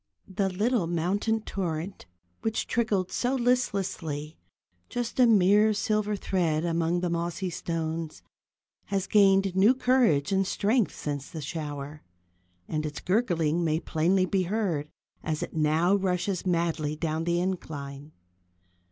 The little mountain torrent which trickled so listlessly, just a mere silver thread among its mossy stones, has gained new courage and strength since the shower, and its gurgling may plainly be heard as it now rushes madly down the incline.